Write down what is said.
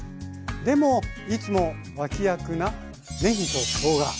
でもいつも脇役なねぎとしょうが。